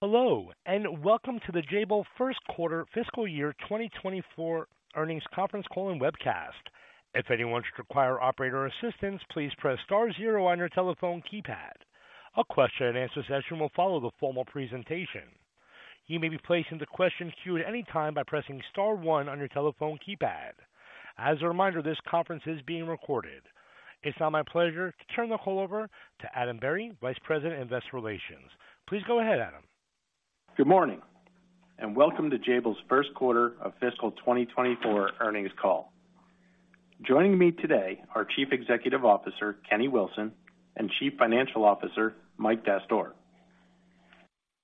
Hello, and welcome to the Jabil First Quarter Fiscal Year 2024 Earnings Conference Call and Webcast. If anyone should require operator assistance, please press star zero on your telephone keypad. A question-and-answer session will follow the formal presentation. You may be placed into the question queue at any time by pressing star one on your telephone keypad. As a reminder, this conference is being recorded. It's now my pleasure to turn the call over to Adam Berry, Vice President of Investor Relations. Please go ahead, Adam. Good morning, and welcome to Jabil's first quarter of fiscal 2024 earnings call. Joining me today are Chief Executive Officer Kenny Wilson and Chief Financial Officer Mike Dastoor.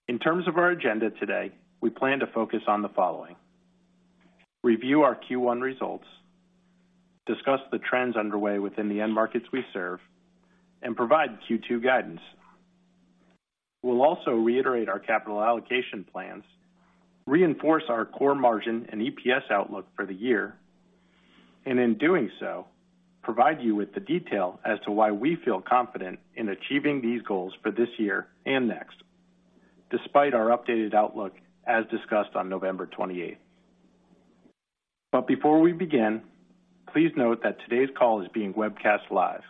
In terms of our agenda today, we plan to focus on the following: review our Q1 results, discuss the trends underway within the end markets we serve, and provide Q2 guidance. We'll also reiterate our capital allocation plans, reinforce our core margin and EPS outlook for the year, and in doing so, provide you with the detail as to why we feel confident in achieving these goals for this year and next, despite our updated outlook as discussed on November 28th. But before we begin, please note that today's call is being webcast live,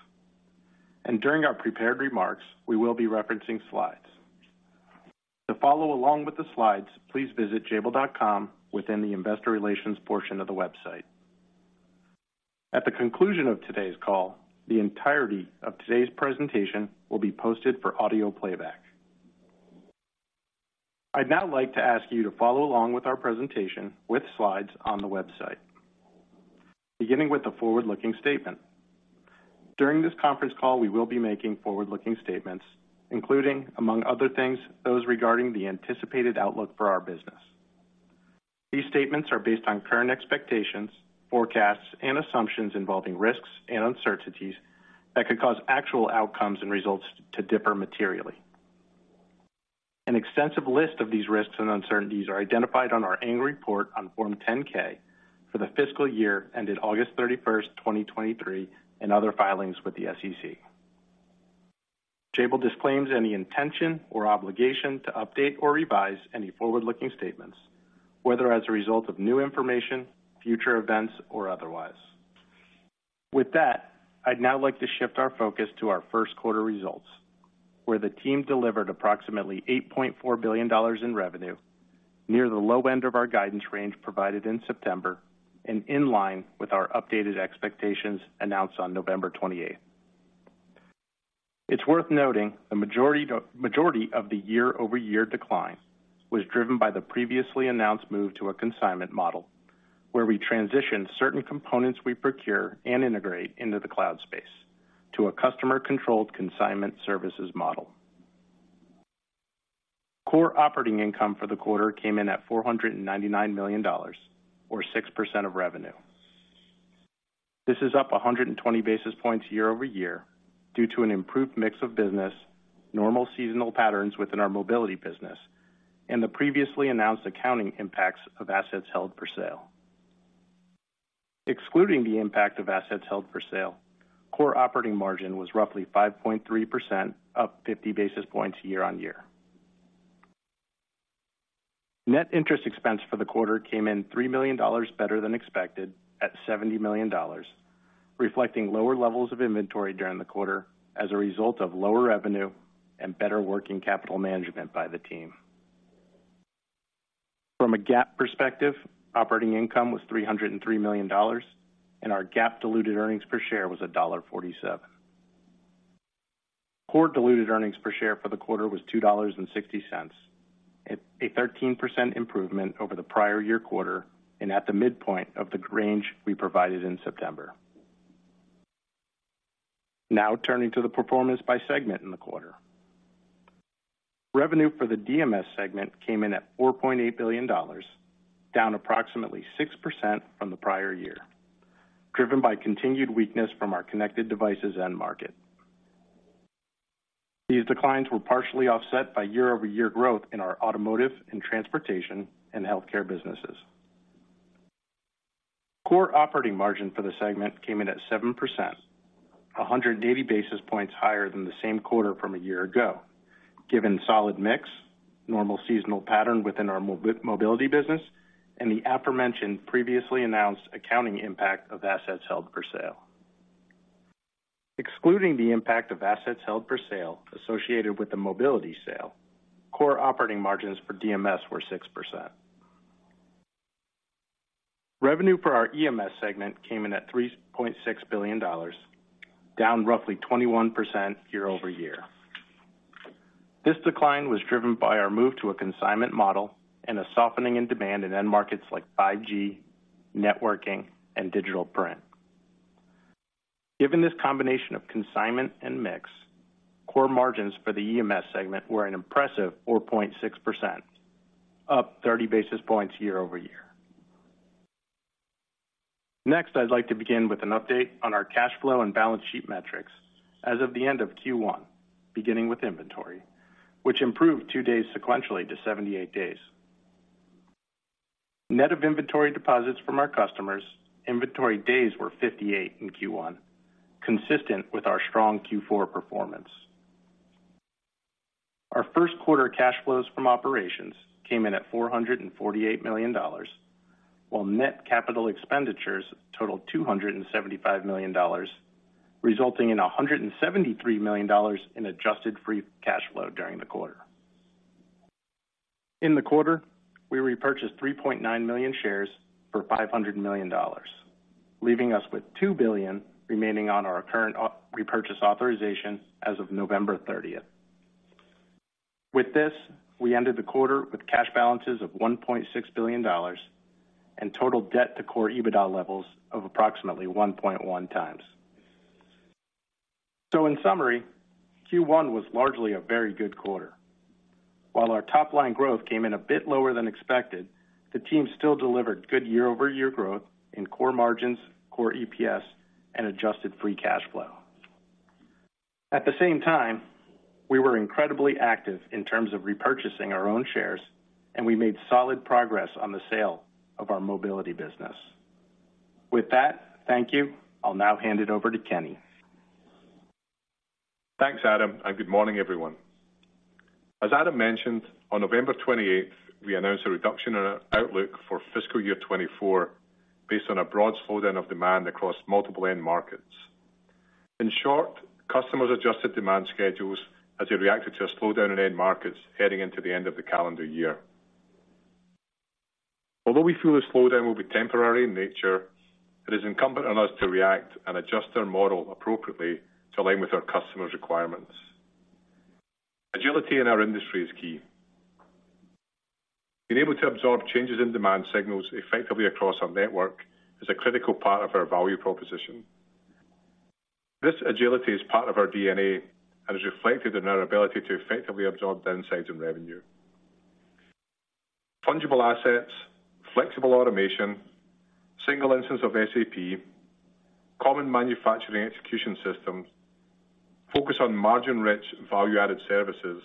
and during our prepared remarks, we will be referencing slides. To follow along with the slides, please visit jabil.com within the investor relations portion of the website. At the conclusion of today's call, the entirety of today's presentation will be posted for audio playback. I'd now like to ask you to follow along with our presentation with slides on the website. Beginning with the forward-looking statement. During this conference call, we will be making forward-looking statements, including, among other things, those regarding the anticipated outlook for our business. These statements are based on current expectations, forecasts, and assumptions involving risks and uncertainties that could cause actual outcomes and results to differ materially. An extensive list of these risks and uncertainties are identified on our annual report on Form 10-K for the fiscal year ended August 31st, 2023, and other filings with the SEC. Jabil disclaims any intention or obligation to update or revise any forward-looking statements, whether as a result of new information, future events, or otherwise. With that, I'd now like to shift our focus to our first quarter results, where the team delivered approximately $8.4 billion in revenue, near the low end of our guidance range provided in September and in line with our updated expectations announced on November 28th. It's worth noting the majority of the year-over-year decline was driven by the previously announced move to a consignment model, where we transitioned certain components we procure and integrate into the cloud space to a customer-controlled consignment services model. Core Operating Income for the quarter came in at $499 million, or 6% of revenue. This is up 120 basis points year-over-year due to an improved mix of business, normal seasonal patterns within our mobility business, and the previously announced accounting impacts of assets held for sale. Excluding the impact of assets held for sale, Core Operating Margin was roughly 5.3%, up 50 basis points year-on-year. Net interest expense for the quarter came in $3 million better than expected, at $70 million, reflecting lower levels of inventory during the quarter as a result of lower revenue and better working capital management by the team. From a GAAP perspective, operating income was $303 million, and our GAAP diluted earnings per share was $1.47. Core diluted earnings per share for the quarter was $2.60, a 13% improvement over the prior year quarter and at the midpoint of the range we provided in September. Now turning to the performance by segment in the quarter. Revenue for the DMS segment came in at $4.8 billion, down approximately 6% from the prior year, driven by continued weakness from our connected devices end market. These declines were partially offset by year-over-year growth in our automotive and transportation and healthcare businesses. Core operating margin for the segment came in at 7%, 100 basis points higher than the same quarter from a year ago, given solid mix, normal seasonal pattern within our mobility business, and the aforementioned previously announced accounting impact of assets held for sale. Excluding the impact of assets held for sale associated with the mobility sale, core operating margins for DMS were 6%. Revenue for our EMS segment came in at $3.6 billion, down roughly 21% year-over-year. This decline was driven by our move to a consignment model and a softening in demand in end markets like 5G, networking, and digital print. Given this combination of consignment and mix, core margins for the EMS segment were an impressive 4.6%, up 30 basis points year-over-year. Next, I'd like to begin with an update on our cash flow and balance sheet metrics as of the end of Q1, beginning with inventory, which improved two days sequentially to 78 days. Net of inventory deposits from our customers, inventory days were 58 in Q1, consistent with our strong Q4 performance. Our first quarter cash flows from operations came in at $448 million, while net capital expenditures totaled $275 million, resulting in $173 million in adjusted free cash flow during the quarter. In the quarter, we repurchased 3.9 million shares for $500 million, leaving us with $2 billion remaining on our current repurchase authorization as of November 30th. With this, we ended the quarter with cash balances of $1.6 billion and total debt to core EBITDA levels of approximately 1.1x. So in summary, Q1 was largely a very good quarter. While our top line growth came in a bit lower than expected, the team still delivered good year-over-year growth in core margins, core EPS, and adjusted free cash flow. At the same time, we were incredibly active in terms of repurchasing our own shares, and we made solid progress on the sale of our mobility business. With that, thank you. I'll now hand it over to Kenny. Thanks, Adam, and good morning, everyone. As Adam mentioned, on November 28th, we announced a reduction in our outlook for fiscal year 2024 based on a broad slowdown of demand across multiple end markets. In short, customers adjusted demand schedules as they reacted to a slowdown in end markets heading into the end of the calendar year. Although we feel the slowdown will be temporary in nature, it is incumbent on us to react and adjust our model appropriately to align with our customers' requirements. Agility in our industry is key. Being able to absorb changes in demand signals effectively across our network is a critical part of our value proposition. This agility is part of our DNA and is reflected in our ability to effectively absorb downsides in revenue. Fungible assets, flexible automation, single instance of SAP, common manufacturing execution systems, focus on margin-rich, value-added services,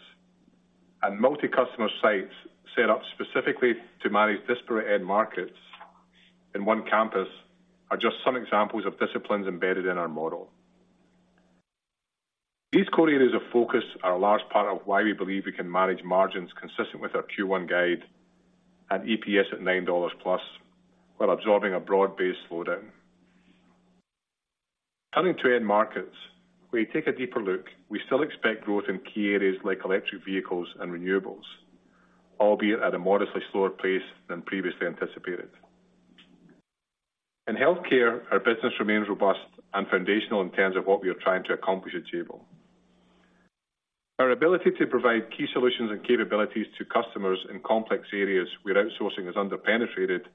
and multi-customer sites set up specifically to manage disparate end markets in one campus, are just some examples of disciplines embedded in our model. These core areas of focus are a large part of why we believe we can manage margins consistent with our Q1 guide and EPS at $9+, while absorbing a broad-based slowdown. Turning to end markets, we take a deeper look. We still expect growth in key areas like electric vehicles and renewables, albeit at a modestly slower pace than previously anticipated. In healthcare, our business remains robust and foundational in terms of what we are trying to accomplish at Jabil. Our ability to provide key solutions and capabilities to customers in complex areas where outsourcing is underpenetrated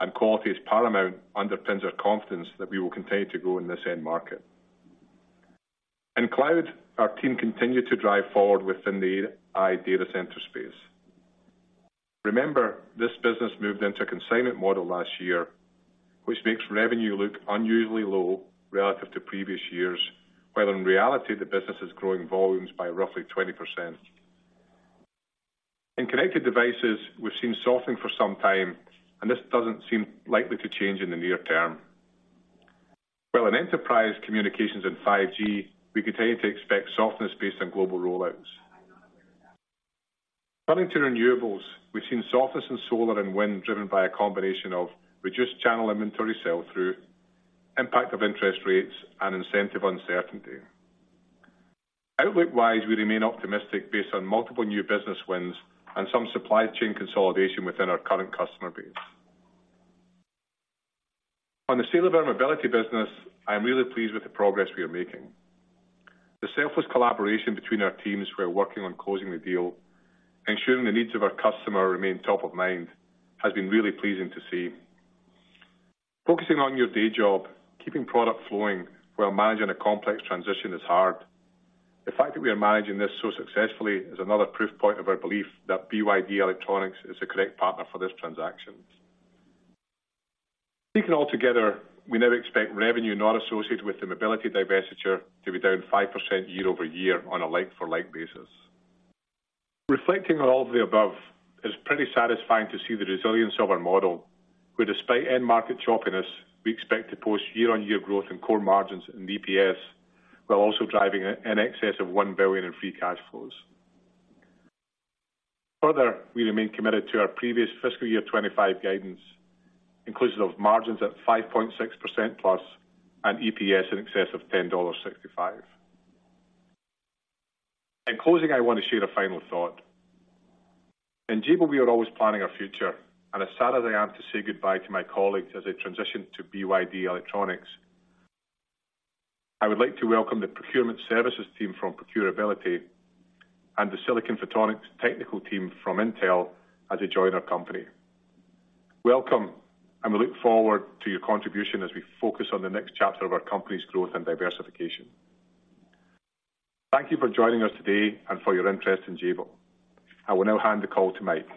and quality is paramount, underpins our confidence that we will continue to grow in this end market. In cloud, our team continued to drive forward within the AI data center space. Remember, this business moved into a consignment model last year, which makes revenue look unusually low relative to previous years, while in reality, the business is growing volumes by roughly 20%. In connected devices, we've seen softening for some time, and this doesn't seem likely to change in the near term. While in enterprise communications and 5G, we continue to expect softness based on global rollouts. Turning to renewables, we've seen softness in solar and wind, driven by a combination of reduced channel inventory sell-through, impact of interest rates, and incentive uncertainty. Outlook-wise, we remain optimistic based on multiple new business wins and some supply chain consolidation within our current customer base. On the sale of our mobility business, I'm really pleased with the progress we are making. The selfless collaboration between our teams who are working on closing the deal, ensuring the needs of our customer remain top of mind, has been really pleasing to see. Focusing on your day job, keeping product flowing while managing a complex transition is hard. The fact that we are managing this so successfully is another proof point of our belief that BYD Electronics is the correct partner for this transaction. Taken altogether, we now expect revenue not associated with the mobility divestiture to be down 5% year-over-year on a like-for-like basis. Reflecting on all of the above, it's pretty satisfying to see the resilience of our model, where despite end market choppiness, we expect to post year-on-year growth in core margins and EPS, while also driving in excess of $1 billion in free cash flows. Further, we remain committed to our previous fiscal year 2025 guidance, inclusive of margins at 5.6%+ and EPS in excess of $10.65. In closing, I want to share a final thought. In Jabil, we are always planning our future, and as sad as I am to say goodbye to my colleagues as they transition to BYD Electronics, I would like to welcome the procurement services team from ProcurAbility and the Silicon Photonics technical team from Intel as they join our company. Welcome, and we look forward to your contribution as we focus on the next chapter of our company's growth and diversification. Thank you for joining us today and for your interest in Jabil. I will now hand the call to Mike.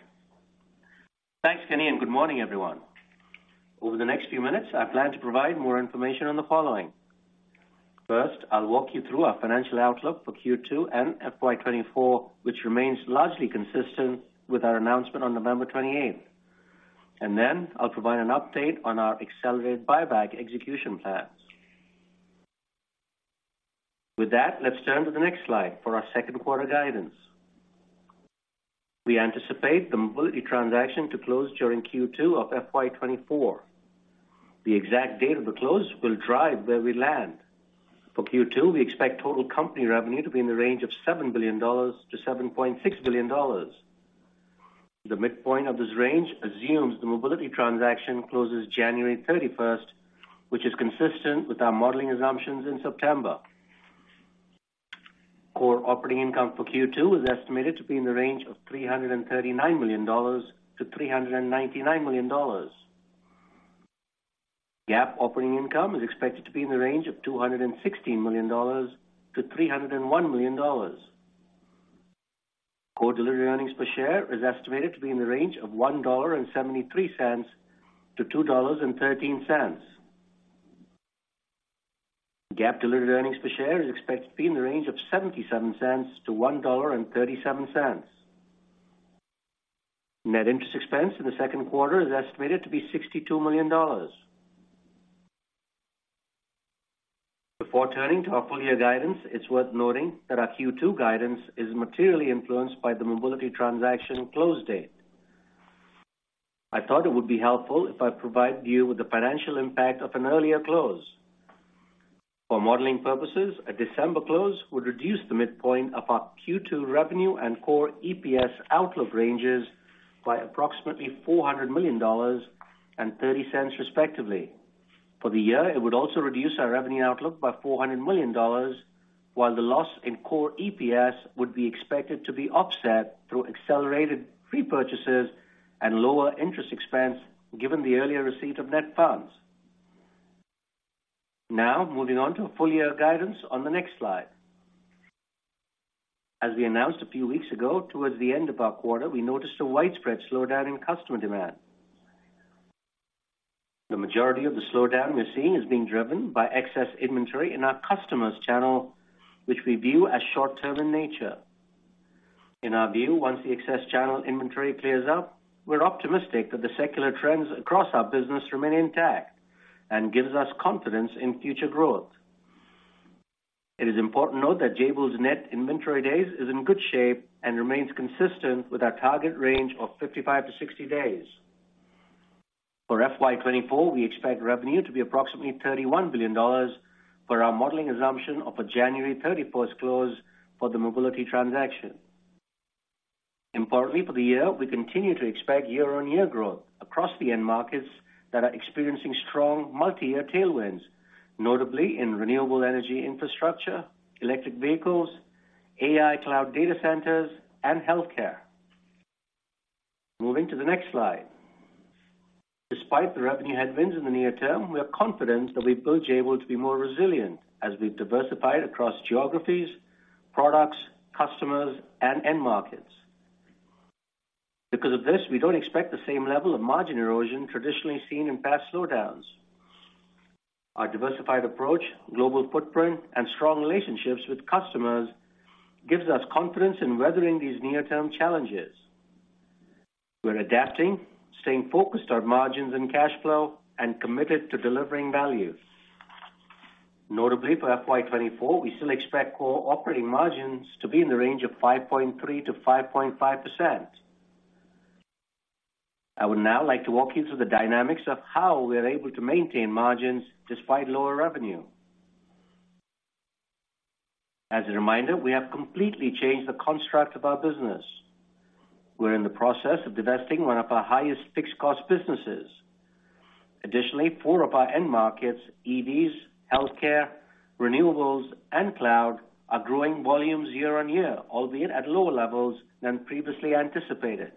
Thanks, Kenny, and good morning, everyone. Over the next few minutes, I plan to provide more information on the following: First, I'll walk you through our financial outlook for Q2 and FY 2024, which remains largely consistent with our announcement on November 28th. Then I'll provide an update on our accelerated buyback execution plans. With that, let's turn to the next slide for our second quarter guidance. We anticipate the mobility transaction to close during Q2 of FY 2024. The exact date of the close will drive where we land. For Q2, we expect total company revenue to be in the range of $7 billion-$7.6 billion. The midpoint of this range assumes the mobility transaction closes January 31st, which is consistent with our modeling assumptions in September. Core Operating Income for Q2 is estimated to be in the range of $339 million-$399 million. GAAP operating income is expected to be in the range of $216 million-$301 million. Core diluted earnings per share is estimated to be in the range of $1.73-$2.13. GAAP diluted earnings per share is expected to be in the range of $0.77-$1.37. Net interest expense in the second quarter is estimated to be $62 million. Before turning to our full year guidance, it's worth noting that our Q2 guidance is materially influenced by the mobility transaction close date. I thought it would be helpful if I provided you with the financial impact of an earlier close. For modeling purposes, a December close would reduce the midpoint of our Q2 revenue and core EPS outlook ranges by approximately $400 million and $0.30, respectively. For the year, it would also reduce our revenue outlook by $400 million, while the loss in core EPS would be expected to be offset through accelerated repurchases and lower interest expense, given the earlier receipt of net funds. Now, moving on to full year guidance on the next slide. As we announced a few weeks ago, towards the end of our quarter, we noticed a widespread slowdown in customer demand. The majority of the slowdown we're seeing is being driven by excess inventory in our customers' channel, which we view as short-term in nature. In our view, once the excess channel inventory clears up, we're optimistic that the secular trends across our business remain intact and gives us confidence in future growth. It is important to note that Jabil's net inventory days is in good shape and remains consistent with our target range of 55 days-60 days. For FY 2024, we expect revenue to be approximately $31 billion for our modeling assumption of a January 31st close for the mobility transaction. Importantly, for the year, we continue to expect year-on-year growth across the end markets that are experiencing strong multiyear tailwinds, notably in renewable energy infrastructure, electric vehicles, AI cloud data centers, and healthcare. Moving to the next slide. Despite the revenue headwinds in the near term, we are confident that we built Jabil to be more resilient as we've diversified across geographies, products, customers, and end markets. Because of this, we don't expect the same level of margin erosion traditionally seen in past slowdowns. Our diversified approach, global footprint, and strong relationships with customers gives us confidence in weathering these near-term challenges. We're adapting, staying focused on margins and cash flow, and committed to delivering value. Notably, for FY 2024, we still expect core operating margins to be in the range of 5.3%-5.5%. I would now like to walk you through the dynamics of how we are able to maintain margins despite lower revenue. As a reminder, we have completely changed the construct of our business. We're in the process of divesting one of our highest fixed cost businesses. Additionally, four of our end markets, EVs, healthcare, renewables, and cloud, are growing volumes year-on-year, albeit at lower levels than previously anticipated,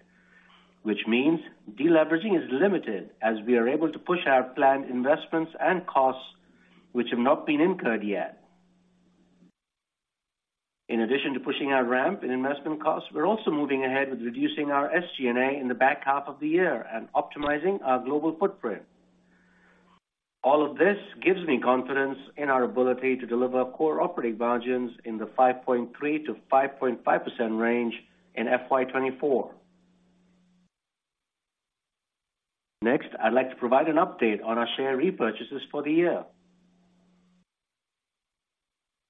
which means deleveraging is limited as we are able to push our planned investments and costs which have not been incurred yet. In addition to pushing our ramp in investment costs, we're also moving ahead with reducing our SG&A in the back half of the year and optimizing our global footprint. All of this gives me confidence in our ability to deliver core operating margins in the 5.3%-5.5% range in FY 2024. Next, I'd like to provide an update on our share repurchases for the year.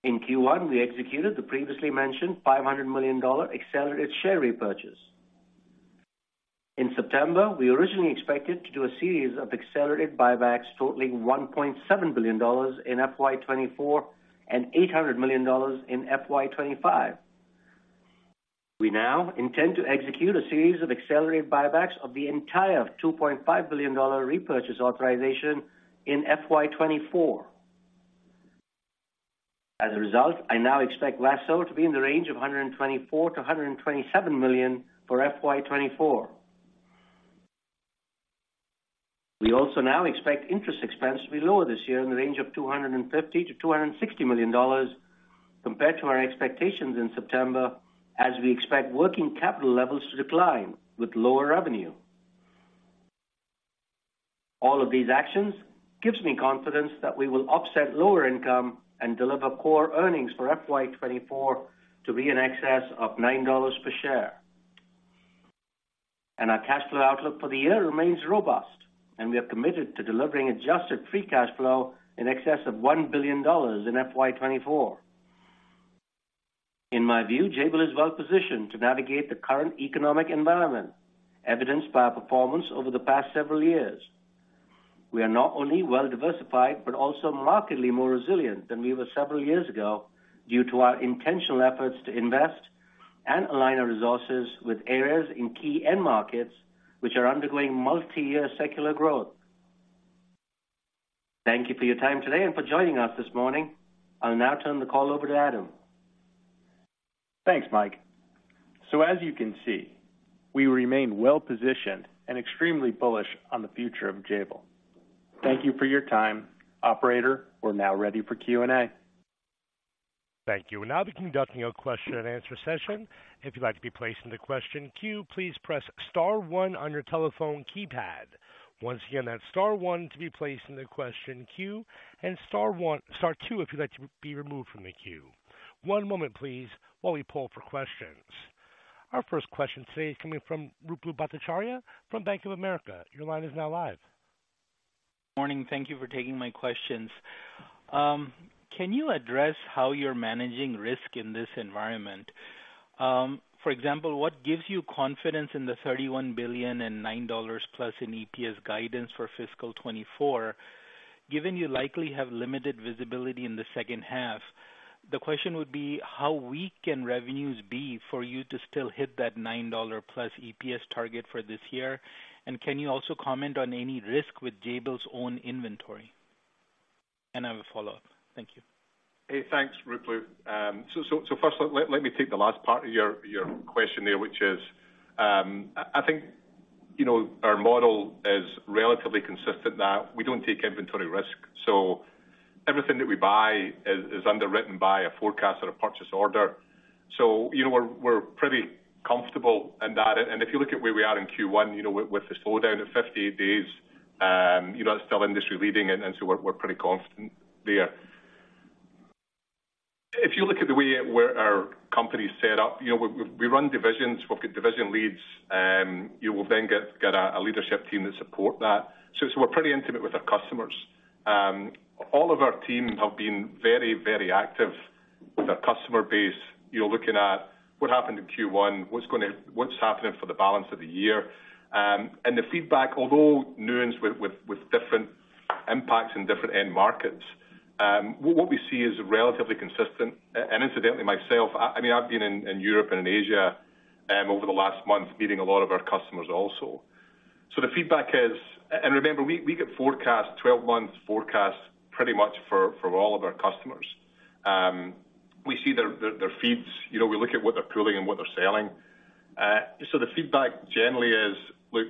In Q1, we executed the previously mentioned $500 million accelerated share repurchase. In September, we originally expected to do a series of accelerated buybacks totaling $1.7 billion in FY 2024 and $800 million in FY 2025. We now intend to execute a series of accelerated buybacks of the entire $2.5 billion repurchase authorization in FY 2024. As a result, I now expect LASSO to be in the range of $124 million-$127 million for FY 2024. We also now expect interest expense to be lower this year in the range of $250 million-$260 million compared to our expectations in September, as we expect working capital levels to decline with lower revenue. All of these actions gives me confidence that we will offset lower income and deliver core earnings for FY 2024 to be in excess of $9 per share. Our cash flow outlook for the year remains robust, and we are committed to delivering adjusted free cash flow in excess of $1 billion in FY 2024. In my view, Jabil is well-positioned to navigate the current economic environment, evidenced by our performance over the past several years. We are not only well-diversified, but also markedly more resilient than we were several years ago due to our intentional efforts to invest and align our resources with areas in key end markets, which are undergoing multiyear secular growth. Thank you for your time today and for joining us this morning. I'll now turn the call over to Adam. Thanks, Mike. So as you can see, we remain well-positioned and extremely bullish on the future of Jabil. Thank you for your time. Operator, we're now ready for Q&A. Thank you. We'll now be conducting a question and answer session. If you'd like to be placed in the question queue, please press star one on your telephone keypad. Once again, that's star one to be placed in the question queue, and star two, if you'd like to be removed from the queue. One moment, please, while we pull for questions. Our first question today is coming from Ruplu Bhattacharya from Bank of America. Your line is now live. Morning, thank you for taking my questions. Can you address how you're managing risk in this environment? For example, what gives you confidence in the $31 billion and $9+ in EPS guidance for fiscal 2024, given you likely have limited visibility in the second half? The question would be, how weak can revenues be for you to still hit that $9+ EPS target for this year? And can you also comment on any risk with Jabil's own inventory? And I have a follow-up. Thank you. Hey, thanks, Ruplu. So first, let me take the last part of your question there, which is, I think, you know, our model is relatively consistent, that we don't take inventory risk. So everything that we buy is underwritten by a forecast or a purchase order. So, you know, we're pretty comfortable in that. And if you look at where we are in Q1, you know, with the slowdown at 58 days, you know, that's still industry leading, and so we're pretty confident there. If you look at the way our company is set up, you know, we run divisions, we've got division leads, you will then get a leadership team that support that. So we're pretty intimate with our customers. All of our teams have been very, very active with our customer base. You're looking at what happened in Q1, what's happening for the balance of the year. And the feedback, although nuanced with different impacts in different end markets, what we see is relatively consistent. And incidentally, myself, I mean, I've been in Europe and in Asia over the last month, meeting a lot of our customers also. So the feedback is. And remember, we get forecast, 12 months forecasts, pretty much for all of our customers. We see their feeds, you know, we look at what they're pulling and what they're selling. So the feedback generally is, look,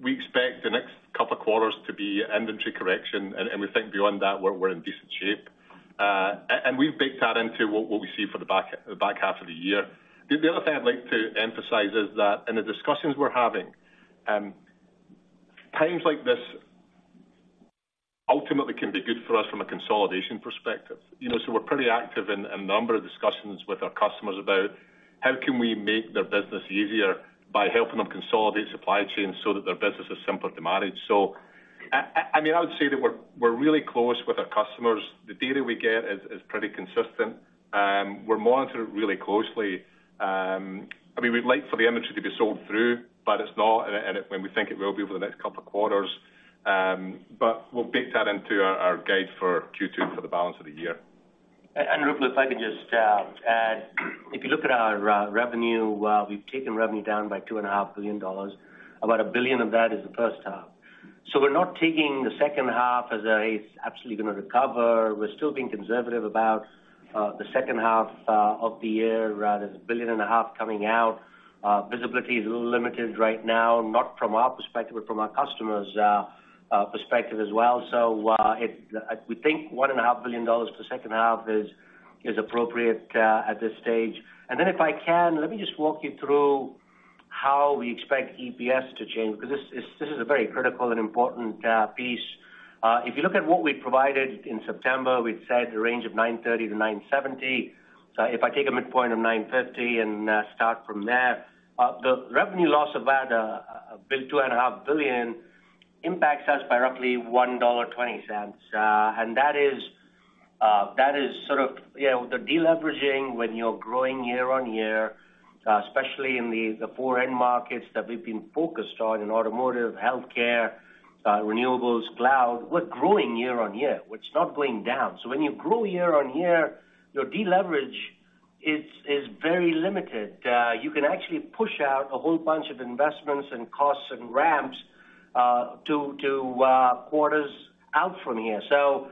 we expect the next couple of quarters to be inventory correction, and we think beyond that, we're in decent shape. And we've baked that into what we see for the back half of the year. The other thing I'd like to emphasize is that in the discussions we're having, times like this ultimately can be good for us from a consolidation perspective. You know, so we're pretty active in a number of discussions with our customers about how can we make their business easier by helping them consolidate supply chains so that their business is simpler to manage. So, I mean, I would say that we're really close with our customers. The data we get is pretty consistent. We're monitoring it really closely. I mean, we'd like for the inventory to be sold through, but it's not, and it—we think it will be over the next couple of quarters. But we'll bake that into our guide for Q2 for the balance of the year. And Ruplu, if I could just add. If you look at our revenue, we've taken revenue down by $2.5 billion. About $1 billion of that is the first half. So we're not taking the second half as it's absolutely gonna recover. We're still being conservative about the second half of the year. There's $1.5 billion coming out. Visibility is a little limited right now, not from our perspective, but from our customers' perspective as well. So we think $1.5 billion per second half is appropriate at this stage. And then if I can, let me just walk you through how we expect EPS to change, because this is a very critical and important piece. If you look at what we provided in September, we'd said a range of $9.30-$9.70. So if I take a midpoint of 9.50 and start from there, the revenue loss of about $2.5 billion impacts us by roughly $1.20. And that is sort of, you know, the deleveraging when you're growing year-on-year, especially in the four end markets that we've been focused on in automotive, healthcare, renewables, cloud. We're growing year-on-year. It's not going down. So when you grow year-on-year, your deleverage is very limited. You can actually push out a whole bunch of investments and costs and ramps to quarters out from here. So,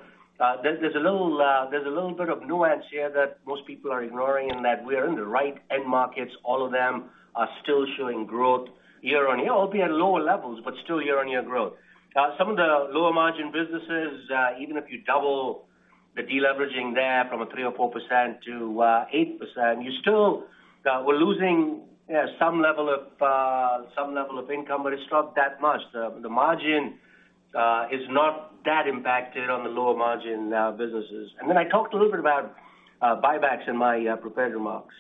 there's a little bit of nuance here that most people are ignoring, and that we are in the right end markets. All of them are still showing growth year-on-year, albeit at lower levels, but still year-on-year growth. Some of the lower margin businesses, even if you double the deleveraging there from 3% or 4% to 8%, you still, we're losing, yeah, some level of income, but it's not that much. The margin is not that impacted on the lower margin businesses. And then I talked a little bit about buybacks in my prepared remarks.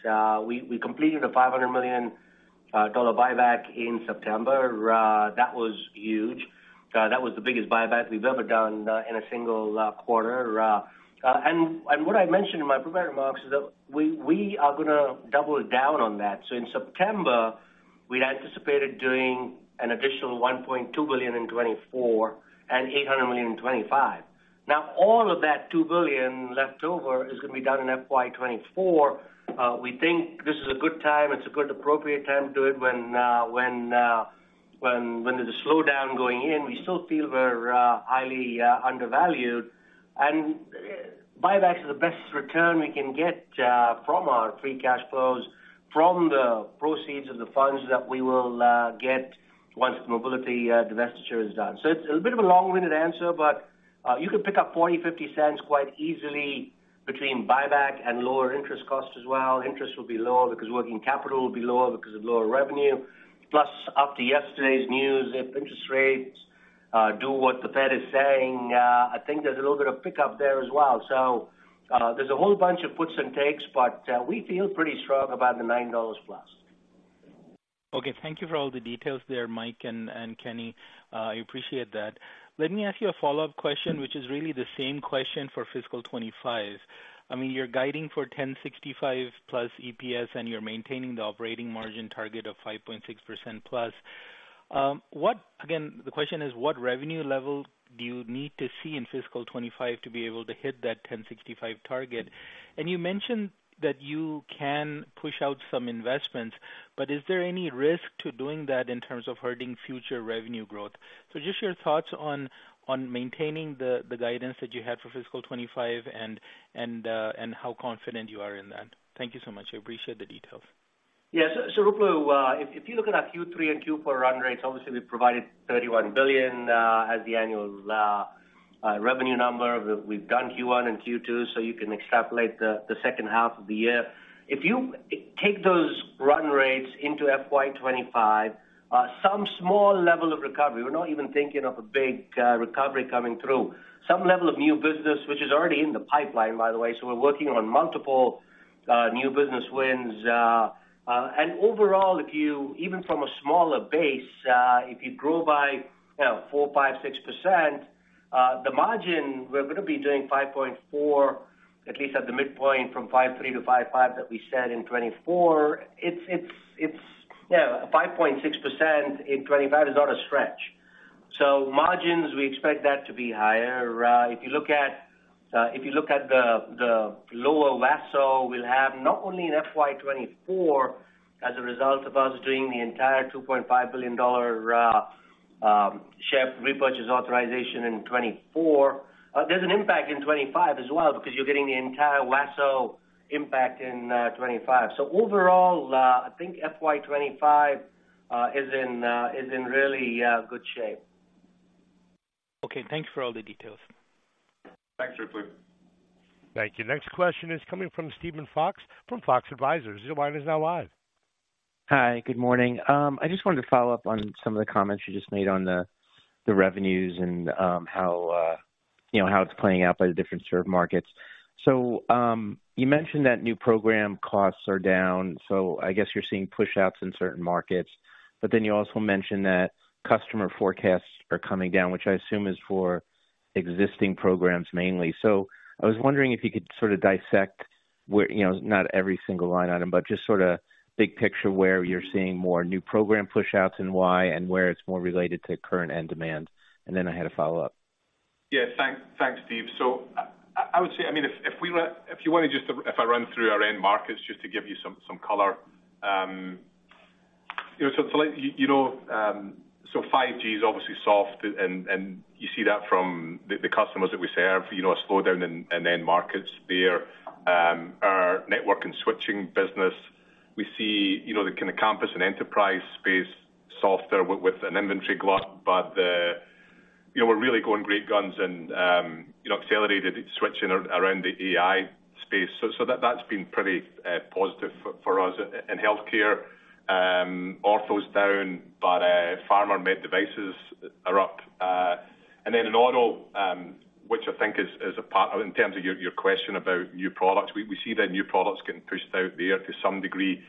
We completed a $500 million buyback in September. That was huge. That was the biggest buyback we've ever done in a single quarter. And what I mentioned in my prepared remarks is that we are going to double down on that. So in September, we'd anticipated doing an additional $1.2 billion in 2024 and $800 million in 2025. Now, all of that $2 billion leftover is going to be done in FY 2024. We think this is a good time, it's a good appropriate time to do it when there's a slowdown going in. We still feel we're highly undervalued, and buyback is the best return we can get from our free cash flows, from the proceeds of the funds that we will get once the mobility divestiture is done. So it's a bit of a long-winded answer, but you could pick up $0.40-$0.50 quite easily between buyback and lower interest costs as well. Interest will be lower because working capital will be lower because of lower revenue. Plus, after yesterday's news, if interest rates do what the Fed is saying, I think there's a little bit of pickup there as well. So, there's a whole bunch of puts and takes, but we feel pretty strong about the $9+. Okay, thank you for all the details there, Mike and Kenny. I appreciate that. Let me ask you a follow-up question, which is really the same question for fiscal 2025. I mean, you're guiding for $10.65+ EPS, and you're maintaining the operating margin target of 5.6%+. What, again, the question is, what revenue level do you need to see in fiscal 2025 to be able to hit that $10.65 target? And you mentioned that you can push out some investments, but is there any risk to doing that in terms of hurting future revenue growth? So just your thoughts on maintaining the guidance that you had for fiscal 2025 and how confident you are in that. Thank you so much. I appreciate the details. Yeah. So, Ruplu, if you look at our Q3 and Q4 run rates, obviously, we provided $31 billion as the annual revenue number. We've done Q1 and Q2, so you can extrapolate the second half of the year. If you take those run rates into FY 2025, some small level of recovery, we're not even thinking of a big recovery coming through. Some level of new business, which is already in the pipeline, by the way, so we're working on multiple new business wins. And overall, if you even from a smaller base, if you grow by, you know, 4%, 5%, 6%, the margin, we're going to be doing 5.4%, at least at the midpoint from 5.3% to 5.5% that we said in 2024. It's, you know, 5.6% in 2025 is not a stretch. So margins, we expect that to be higher. If you look at the lower WASSO, we'll have not only in FY 2024 as a result of us doing the entire $2.5 billion share repurchase authorization in 2024. There's an impact in 2025 as well, because you're getting the entire WASSO impact in 2025. So overall, I think FY 2025 is in really good shape. Okay, thanks for all the details. Thanks, Ruplu. Thank you. Next question is coming from Steven Fox, from Fox Advisors. Your line is now live. Hi, good morning. I just wanted to follow up on some of the comments you just made on the revenues and how, you know, how it's playing out by the different end markets. So, you mentioned that new program costs are down, so I guess you're seeing pushouts in certain markets. But then you also mentioned that customer forecasts are coming down, which I assume is for existing programs mainly. So I was wondering if you could sort of dissect where, you know, not every single line item, but just sort of big picture, where you're seeing more new program pushouts and why, and where it's more related to current end demand. And then I had a follow-up. Yeah, thanks. Thanks, Steve. So I would say, I mean, if you want to just, if I run through our end markets, just to give you some color. You know, so let you know, so 5G is obviously soft and you see that from the customers that we serve, you know, a slowdown in end markets there. Our network and switching business, we see, you know, the kind of campus and enterprise space softer with an inventory glut, but you know, we're really going great guns and you know, accelerated switching around the AI space. So that, that's been pretty positive for us. In healthcare, ortho's down, but pharma med devices are up. And then in auto, which I think is a part—in terms of your question about new products, we see the new products getting pushed out there to some degree.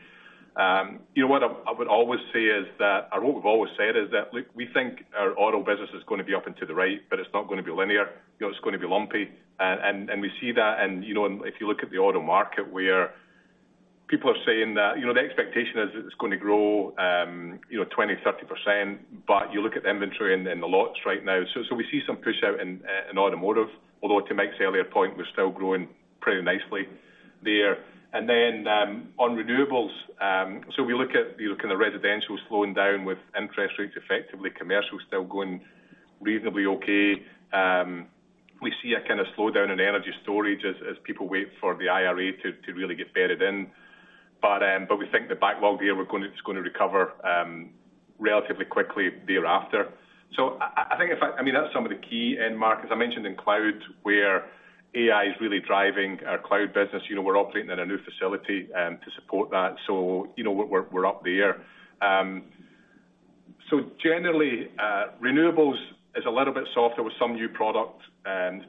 You know what I would always say is that, or what we've always said is that, look, we think our auto business is going to be up and to the right, but it's not going to be linear. You know, it's going to be lumpy. And we see that, and if you look at the auto market, where people are saying that the expectation is it's going to grow 20%-30%, but you look at the inventory and the lots right now. So we see some pushout in automotive, although to Mike's earlier point, we're still growing pretty nicely there. And then on renewables, so we look at, you know, kind of residentials slowing down with interest rates, effectively, commercial still going reasonably okay. We see a kind of slowdown in energy storage as people wait for the IRA to really get bedded in. But we think the backlog year, we're going—it's gonna recover relatively quickly thereafter. So I think, in fact, I mean, that's some of the key end markets. I mentioned in cloud, where AI is really driving our cloud business. You know, we're operating in a new facility to support that, so, you know, we're up there. So generally, renewables is a little bit softer with some new products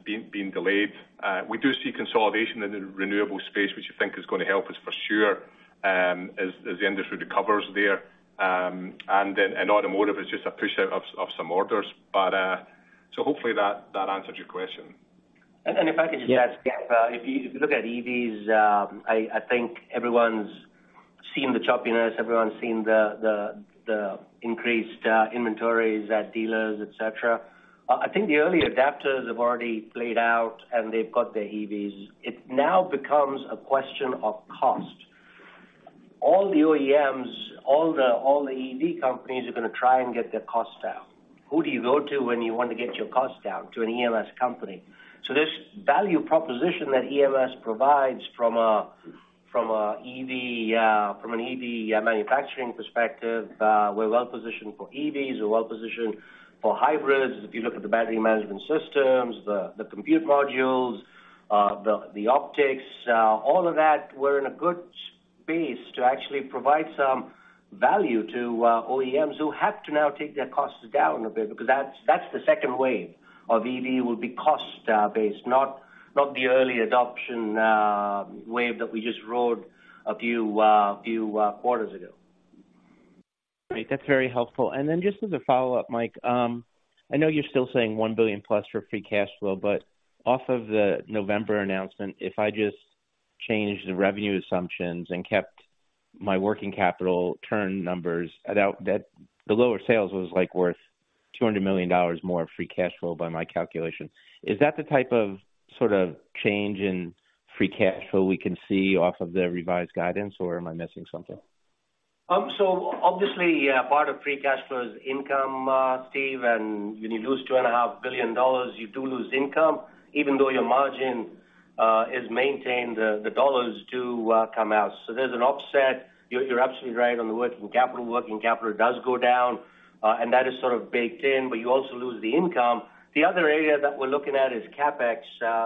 being delayed. We do see consolidation in the renewable space, which you think is gonna help us for sure, as the industry recovers there. And then automotive is just a push out of some orders. But so hopefully that answers your question. And if I could just add, if you look at EVs, I think everyone's seen the choppiness, everyone's seen the increased inventories at dealers, et cetera. I think the early adopters have already played out, and they've got their EVs. It now becomes a question of cost. All the OEMs, all the EV companies are gonna try and get their costs down. Who do you go to when you want to get your costs down? To an EMS company. So this value proposition that EMS provides from an EV manufacturing perspective, we're well positioned for EVs, we're well positioned for hybrids. If you look at the battery management systems, the compute modules, the optics, all of that, we're in a good space to actually provide some value to OEMs who have to now take their costs down a bit, because that's the second wave of EV, will be cost based, not the early adoption wave that we just rode a few quarters ago. Great. That's very helpful. And then just as a follow-up, Mike, I know you're still saying $1 billion+ for free cash flow, but off of the November announcement, if I just changed the revenue assumptions and kept my working capital turn numbers, without that, the lower sales was, like, worth $200 million more in free cash flow by my calculation. Is that the type of sort of change in free cash flow we can see off of the revised guidance, or am I missing something? So obviously, yeah, part of free cash flow is income, Steve, and when you lose $2.5 billion, you do lose income. Even though your margin is maintained, the dollars do come out. So there's an offset. You're absolutely right on the working capital. Working capital does go down, and that is sort of baked in, but you also lose the income. The other area that we're looking at is CapEx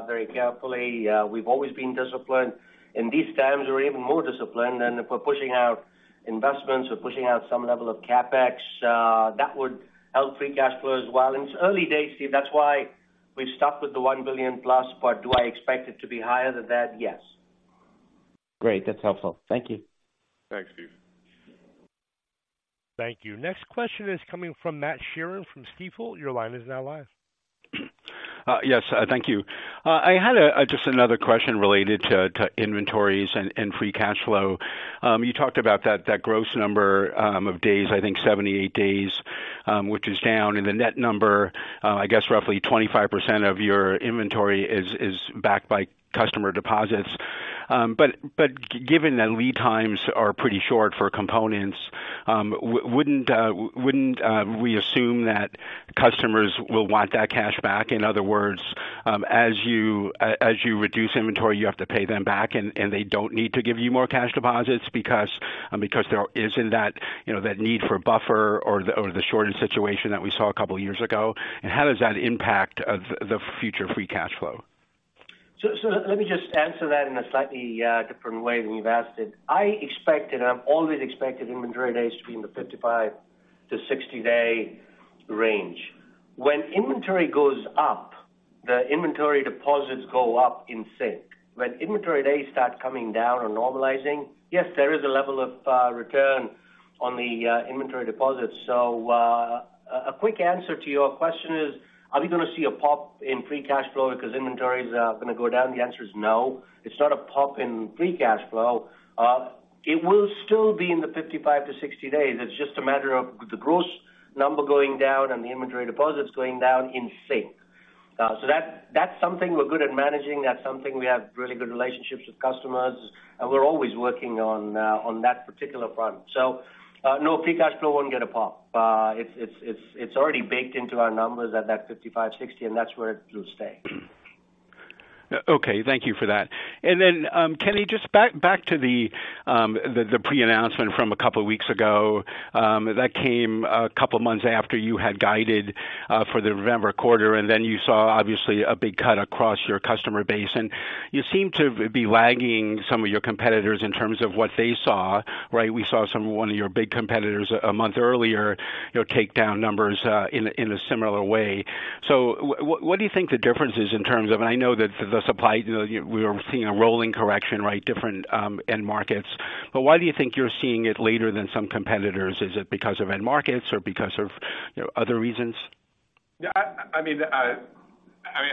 very carefully. We've always been disciplined. In these times, we're even more disciplined, and if we're pushing out investments or pushing out some level of CapEx, that would help free cash flow as well. It's early days, Steve, that's why we've stuck with the $1 billion plus. But do I expect it to be higher than that? Yes. Great, that's helpful. Thank you. Thanks, Steve. Thank you. Next question is coming from Matt Sheerin from Stifel. Your line is now live. Yes, thank you. I had just another question related to inventories and free cash flow. You talked about that gross number of days, I think 78 days, which is down, and the net number, I guess roughly 25% of your inventory is backed by customer deposits. But given that lead times are pretty short for components, wouldn't we assume that customers will want that cash back? In other words, as you reduce inventory, you have to pay them back, and they don't need to give you more cash deposits because there isn't that, you know, that need for buffer or the shortage situation that we saw a couple years ago. And how does that impact the future free cash flow? So, so let me just answer that in a slightly different way than you've asked it. I expected, and I've always expected inventory days to be in the 55-60-day range. When inventory goes up, the inventory deposits go up in sync. When inventory days start coming down or normalizing, yes, there is a level of return on the inventory deposits. So, a quick answer to your question is, are we gonna see a pop in free cash flow because inventory is gonna go down? The answer is no. It's not a pop in free cash flow. It will still be in the 55-60 days. It's just a matter of the gross number going down and the inventory deposits going down in sync. So that, that's something we're good at managing. That's something we have really good relationships with customers, and we're always working on that particular front. So, no, free cash flow won't get a pop. It's already baked into our numbers at that $55-$60, and that's where it will stay. Okay, thank you for that. And then, Kenny, just back to the pre-announcement from a couple of weeks ago that came a couple of months after you had guided for the November quarter, and then you saw obviously a big cut across your customer base, and you seem to be lagging some of your competitors in terms of what they saw, right? We saw one of your big competitors a month earlier, you know, take down numbers in a similar way. So what do you think the difference is in terms of, and I know that the supply, you know, we're seeing a rolling correction, right, different end markets. But why do you think you're seeing it later than some competitors? Is it because of end markets or because of, you know, other reasons? Yeah, I mean, I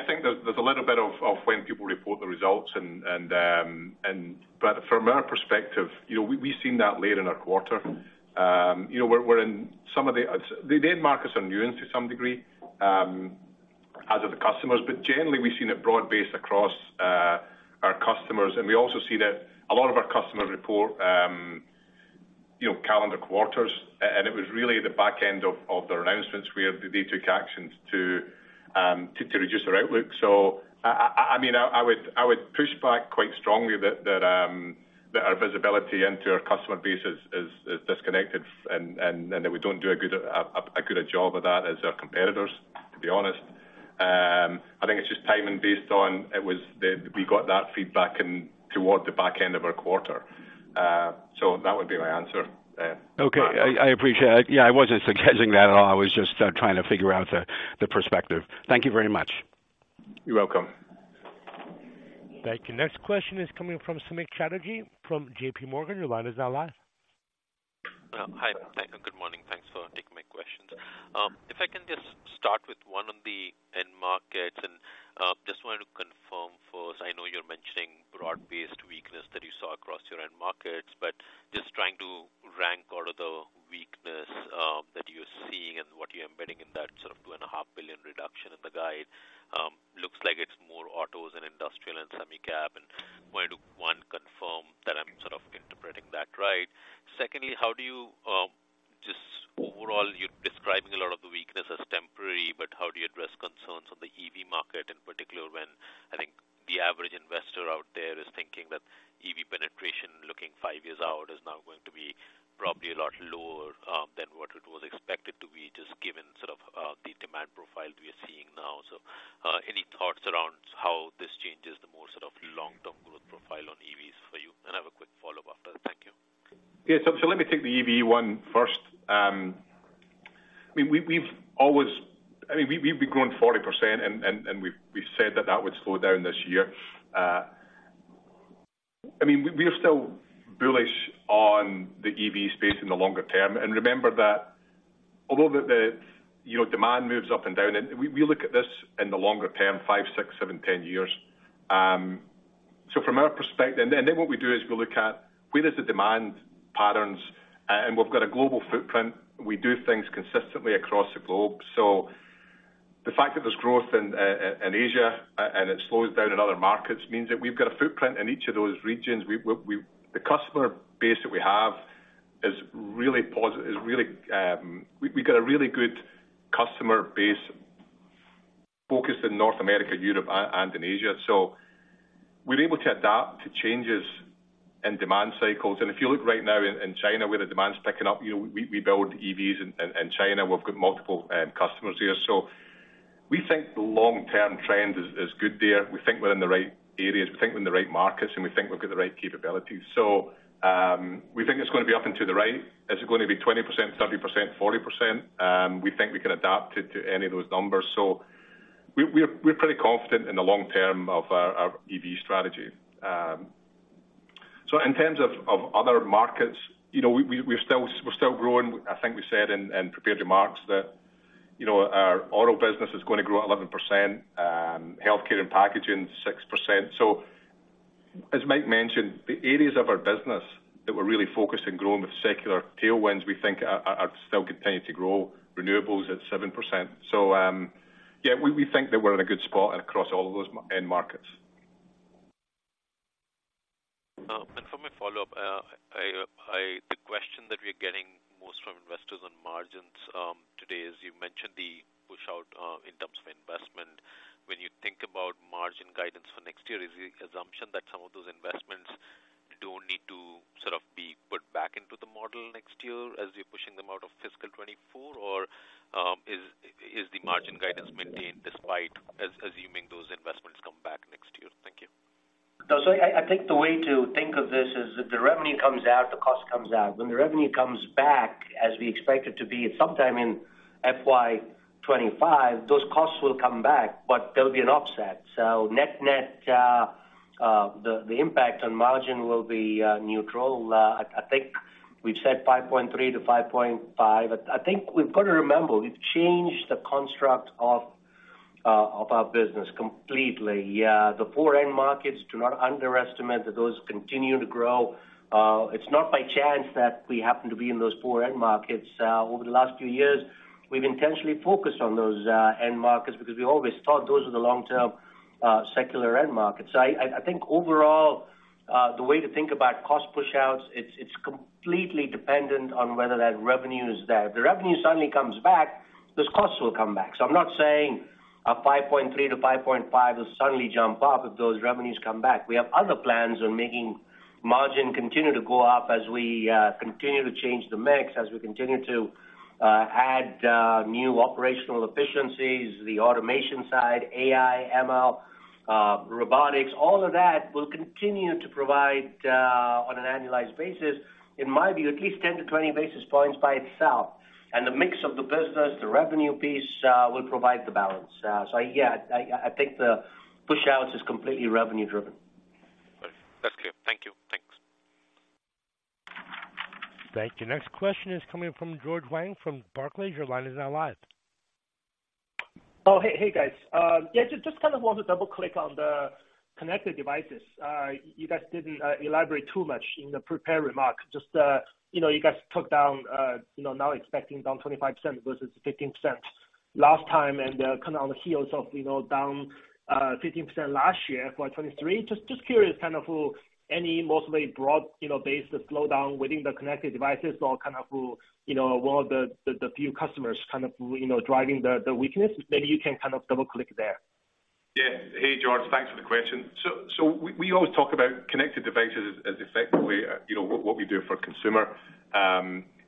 think there's a little bit of when people report the results and, but from our perspective, you know, we've seen that later in our quarter. You know, we're in some of the end markets are new into some degree, as are the customers, but generally, we've seen it broad-based across our customers, and we also see that a lot of our customers report, you know, calendar quarters, and it was really the back end of their announcements where they took actions to reduce their outlook. I mean, I would push back quite strongly that our visibility into our customer base is disconnected, and that we don't do a good job of that as our competitors, to be honest. I think it's just timing based on it was we got that feedback in toward the back end of our quarter. So that would be my answer, Matt. Okay, I appreciate it. Yeah, I wasn't suggesting that at all. I was just trying to figure out the perspective. Thank you very much. You're welcome. Thank you. Next question is coming from Samik Chatterjee from JP Morgan. Your line is now live. Hi. Thank you. Good morning. Thanks for taking my questions. If I can just start with one on the end markets, and just wanted to confirm first. I know you're mentioning broad-based weakness that you saw across your end markets, but just trying to rank order the weakness that you're seeing and what you're embedding in that sort of $2.5 billion reduction in the guide. Looks like it's more autos and industrial and semi cap, and wanted to, one, confirm that I'm sort of interpreting that right. Secondly, how do you just overall, you're describing a lot of the weakness as temporary, but how do you address concerns on the EV market in particular, when I think the average investor out there is thinking that EV penetration, looking five years out, is now going to be probably a lot lower than what it was expected to be, just given sort of the demand profile we are seeing now? So, any thoughts around how this changes the more sort of long-term growth profile on EVs for you? And I have a quick follow-up after. Thank you. Yeah, so, so let me take the EV one first. I mean, we've, we've always—I mean, we've grown 40%, and we've said that that would slow down this year. I mean, we are still bullish on the EV space in the longer term. And remember that although the, you know, demand moves up and down, and we look at this in the longer term, five, six, seven, 10 years. So from our perspective... And then what we do is we look at where is the demand patterns, and we've got a global footprint. We do things consistently across the globe. So the fact that there's growth in Asia and it slows down in other markets means that we've got a footprint in each of those regions. The customer base that we have is really, we've got a really good customer base focused in North America, Europe, and in Asia. So we're able to adapt to changes in demand cycles. And if you look right now in China, where the demand is picking up, you know, we build EVs in China. We've got multiple customers here. So we think the long-term trend is good there. We think we're in the right areas, we think we're in the right markets, and we think we've got the right capabilities. So we think it's going to be up and to the right. Is it going to be 20%, 30%, 40%? We think we can adapt it to any of those numbers. So we're pretty confident in the long term of our EV strategy. So in terms of other markets, you know, we're still growing. I think we said in prepared remarks that, you know, our auto business is going to grow 11%, healthcare and packaging, 6%. So as Mike mentioned, the areas of our business that we're really focused on growing with secular tailwinds, we think are still continuing to grow. Renewables at 7%. So yeah, we think that we're in a good spot across all of those end markets. And for my follow-up, the question that we are getting most from investors on margins today is, you mentioned the push out in terms of investment. When you think about margin guidance for next year, is the assumption that some of those investments don't need to sort of be put back into the model next year as you're pushing them out of fiscal 2024? Or, is the margin guidance maintained despite assuming those investments come back next year? Thank you. So I think the way to think of this is, if the revenue comes out, the cost comes out. When the revenue comes back, as we expect it to be sometime in FY 2025, those costs will come back, but there'll be an offset. So net-net, the impact on margin will be neutral. I think we've said 5.3-5.5. I think we've got to remember, we've changed the construct of our business completely. The four end markets, do not underestimate that those continue to grow. It's not by chance that we happen to be in those four end markets. Over the last few years, we've intentionally focused on those end markets because we always thought those were the long-term secular end markets. So I think overall, the way to think about cost push-outs, it's completely dependent on whether that revenue is there. If the revenue suddenly comes back, those costs will come back. So I'm not saying a 5.3-5.5 will suddenly jump up if those revenues come back. We have other plans on making margin continue to go up as we continue to change the mix, as we continue to add new operational efficiencies, the automation side, AI, ML, robotics. All of that will continue to provide, on an annualized basis, in my view, at least 10 basis points-20 basis points by itself, and the mix of the business, the revenue piece, will provide the balance. So yeah, I think the push out is completely revenue driven. That's clear. Thank you. Thanks. Thank you. Next question is coming from George Wang from Barclays. Your line is now live.... Oh, hey, hey, guys. Yeah, just kind of want to double-click on the connected devices. You guys didn't elaborate too much in the prepared remarks. Just, you know, you guys took down, you know, now expecting down 25% versus 15% last time, and kind of on the heels of, you know, down 15% last year for 2023. Just curious, kind of any mostly broad, you know, base slowdown within the connected devices or kind of who, you know, one of the few customers kind of, you know, driving the weakness. Maybe you can kind of double-click there. Yeah. Hey, George. Thanks for the question. So we always talk about connected devices as effectively, you know, what we do for consumer.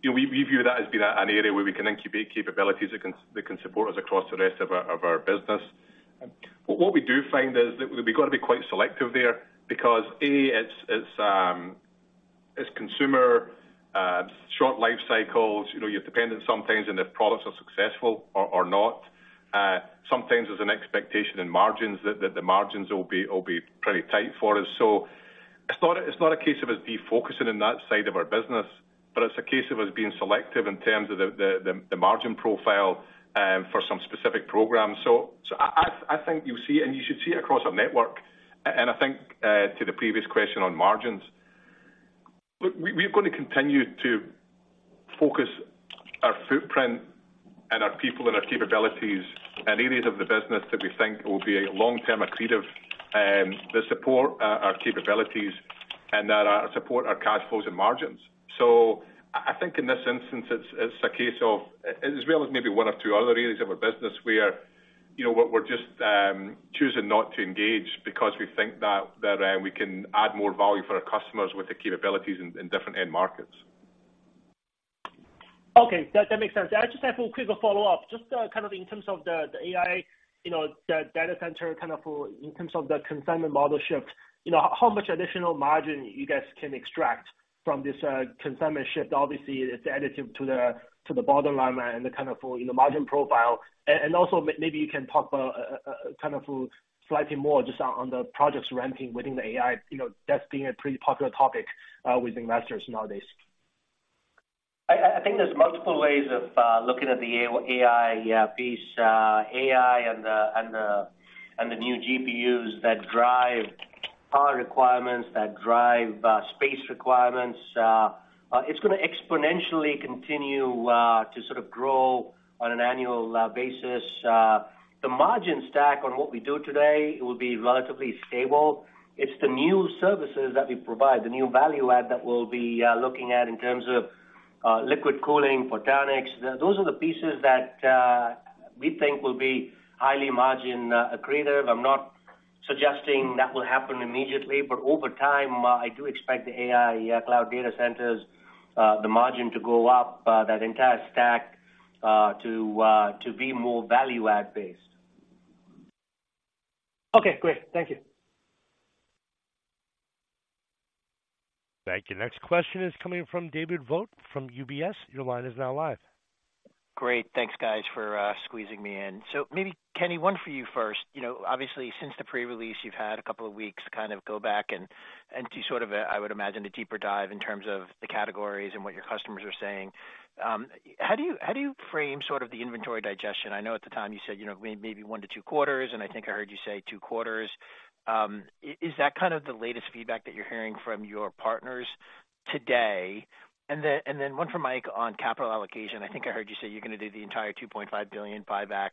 You know, we view that as being an area where we can incubate capabilities that can support us across the rest of our business. What we do find is that we've got to be quite selective there because, A, it's consumer short life cycles. You know, you're dependent sometimes, and if products are successful or not, sometimes there's an expectation in margins that the margins will be pretty tight for us. So it's not a case of us defocusing on that side of our business, but it's a case of us being selective in terms of the margin profile for some specific programs. So I think you'll see it, and you should see it across our network. And I think to the previous question on margins, look, we're going to continue to focus our footprint and our people and our capabilities in areas of the business that we think will be a long-term accretive that support our capabilities and that support our cash flows and margins. So I think in this instance, it's a case of as well as maybe one or two other areas of our business where, you know, we're just choosing not to engage because we think that we can add more value for our customers with the capabilities in different end markets. Okay, that makes sense. I just have a quick follow-up. Just kind of in terms of the AI, you know, the data center, kind of, in terms of the consignment model shift, you know, how much additional margin you guys can extract from this consignment shift? Obviously, it's additive to the bottom line and the kind of, you know, margin profile. And also, maybe you can talk kind of slightly more just on the projects ramping within the AI. You know, that's been a pretty popular topic with investors nowadays. I think there's multiple ways of looking at the AI piece. AI and the new GPUs that drive power requirements, that drive space requirements, it's gonna exponentially continue to sort of grow on an annual basis. The margin stack on what we do today will be relatively stable. It's the new services that we provide, the new value add that we'll be looking at in terms of liquid cooling for data centers. Those are the pieces that we think will be highly margin accretive. I'm not suggesting that will happen immediately, but over time, I do expect the AI cloud data centers, the margin to go up, that entire stack to be more value add based. Okay, great. Thank you. Thank you. Next question is coming from David Vogt from UBS. Your line is now live. Great. Thanks, guys, for squeezing me in. So maybe, Kenny, one for you first. You know, obviously, since the pre-release, you've had a couple of weeks to kind of go back and do sort of a, I would imagine, a deeper dive in terms of the categories and what your customers are saying. How do you, how do you frame sort of the inventory digestion? I know at the time you said, you know, maybe one-two quarters, and I think I heard you say two quarters. Is that kind of the latest feedback that you're hearing from your partners today? And then one for Mike on capital allocation. I think I heard you say you're gonna do the entire $2.5 billion buyback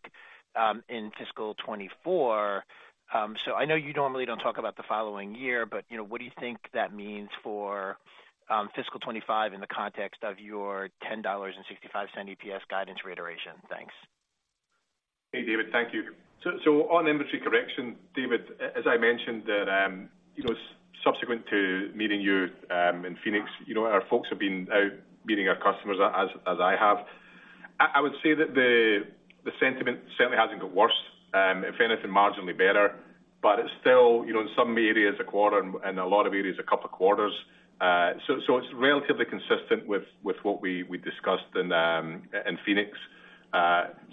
in fiscal 2024. So I know you normally don't talk about the following year, but, you know, what do you think that means for fiscal 2025 in the context of your $10.65 EPS guidance reiteration? Thanks. Hey, David. Thank you. So, on inventory correction, David, as I mentioned that, you know, subsequent to meeting you in Phoenix, you know, our folks have been out meeting our customers as, as I have. I would say that the sentiment certainly hasn't got worse, if anything, marginally better, but it's still, you know, in some areas, a quarter, and a lot of areas, a couple of quarters. So, it's relatively consistent with what we discussed in Phoenix.